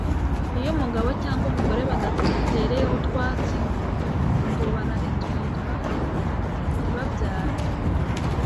iyo umugabo cyangwa umugore badatereyeho utwatsi, ngo bararitwitwa ntibabyare